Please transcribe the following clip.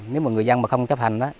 nếu mà người dân mà không chấp hành đó